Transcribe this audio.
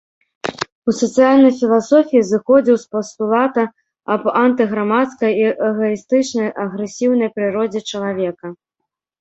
У сацыяльнай філасофіі зыходзіў з пастулата аб антыграмадскай, ці эгаістычнай, агрэсіўнай прыродзе чалавека.